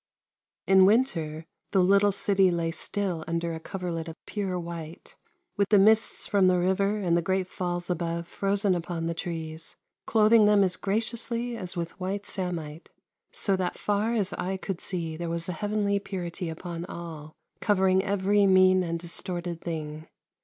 In winter the little city lay still under a coverlet of pure white, with the mists from the river and the great falls above frozen upon the trees, clothing them as graciously as with white samite, so that far as eye could see there was a heavenly purity upon all, covering every mean and distorted thing.